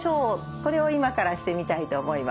これを今からしてみたいと思います。